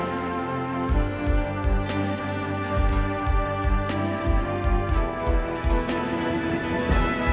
ทุกคนพร้อมแล้วขอเสียงปลุ่มมือต้อนรับ๑๒สาวงามในชุดราตรีได้เลยค่ะ